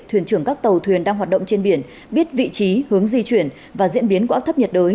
thuyền trưởng các tàu thuyền đang hoạt động trên biển biết vị trí hướng di chuyển và diễn biến của áp thấp nhiệt đới